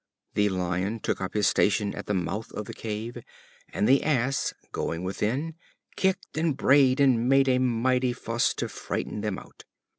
The Lion took up his station at the mouth of the cave, and the Ass, going within, kicked and brayed, and made a mighty fuss to frighten them out.